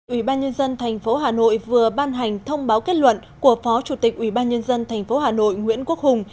ủy ban nhân dân tp hà nội vừa ban hành thông báo kết luận của phó chủ tịch ủy ban nhân dân tp hà nội nguyễn quốc hùng